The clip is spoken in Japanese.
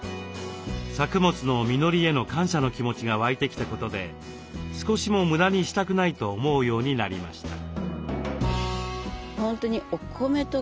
作物の実りへの感謝の気持ちが湧いてきたことで少しも無駄にしたくないと思うようになりました。